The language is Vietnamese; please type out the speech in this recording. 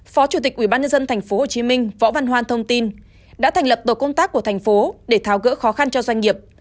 phó chủ tịch ubnd tp hcm võ văn hoan thông tin đã thành lập tổ công tác của thành phố để tháo gỡ khó khăn cho doanh nghiệp